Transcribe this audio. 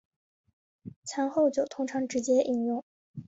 餐后酒通常直接饮用。